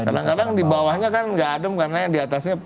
kadang kadang di bawahnya kan nggak adem karena yang diatasnya